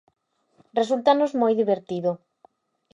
Resúltanos moi divertido.